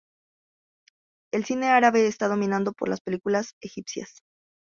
El cine árabe está dominado por las películas egipcias.